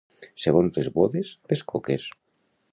Segons les bodes, les coques.